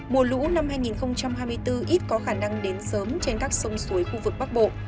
mùa lũ năm hai nghìn hai mươi bốn ít có khả năng đến sớm trên các sông suối khu vực bắc bộ